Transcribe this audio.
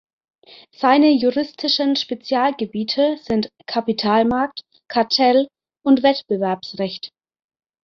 Seine juristischen Spezialgebiete sind Kapitalmarkt-, Kartell- und Wettbewerbsrecht.